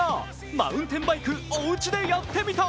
マウンテンバイクおうちでやってみた。